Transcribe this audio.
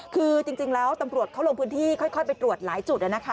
คือจริงแล้วตำรวจเขาลงพื้นที่ค่อยไปตรวจหลายจุดนะคะ